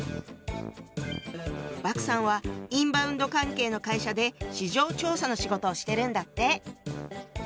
莫さんはインバウンド関係の会社で市場調査の仕事をしてるんだって。